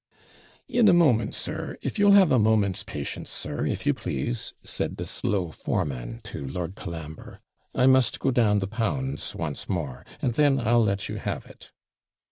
'In a moment, sir; if you'll have a moment's patience, sir, if you please,' said the slow foreman to Lord Colambre; 'I must go down the pounds once more, and then I'll let you have it.'